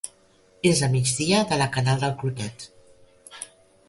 És a migdia de la Canal del Clotet.